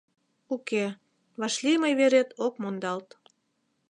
Уке, вашлийме верет ок мондалт.